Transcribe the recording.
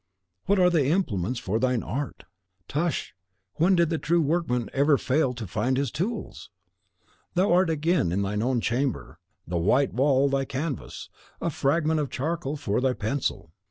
Where are the implements for thine art? Tush! when did the true workman ever fail to find his tools? Thou art again in thine own chamber, the white wall thy canvas, a fragment of charcoal for thy pencil.